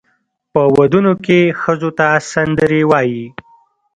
په ودونو کې ښځو ته سندرې وایي.